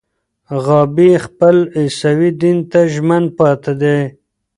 غابي خپل عیسوي دین ته ژمن پاتې دی.